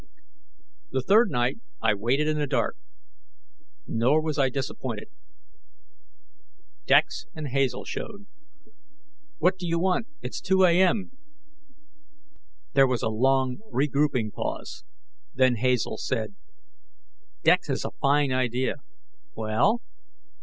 The third night, I waited in the dark. Nor was I disappointed: Dex and Hazel showed. "What do you want? It's 2 A.M.!" There was a long regrouping pause; then Hazel said, "Dex has a fine idea." "Well?"